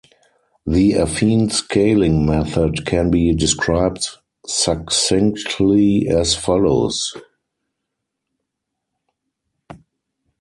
The affine-scaling method can be described succinctly as follows.